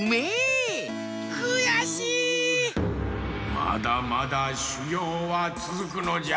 まだまだしゅぎょうはつづくのじゃ。